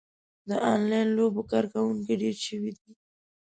د انلاین لوبو کاروونکي ډېر شوي دي.